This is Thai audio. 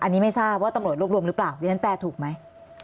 อันนี้ไม่ทราบว่าตำรวจรวบรวมหรือเปล่าดิฉันแปลถูกไหม